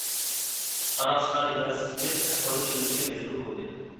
قاراقچىلار ئىلاجىسىز قېلىپ، ئەھۋالنى چۈشەندۈرۈشكە مەجبۇر بولدى.